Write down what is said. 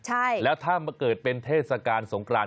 ใช่แล้วถ้ามาเกิดเป็นเทศกาลสงกราน